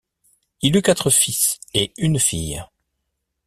Il eut quatre fils et une fille.